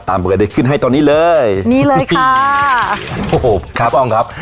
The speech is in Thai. ตามเวลาได้ขึ้นให้ตอนนี้เลยนี่เลยค่ะโอ้โหครับพี่ป้องครับ